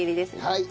はい。